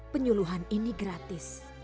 penyeluhan ini gratis